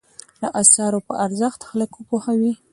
د اثارو په ارزښت خلک وپوهوي.